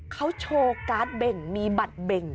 เขาโชว์การ์ดเบ่งมีบัตรเบ่ง